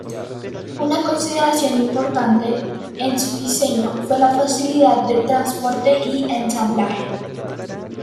Una consideración importante en su diseño fue la facilidad de transporte y ensamblaje.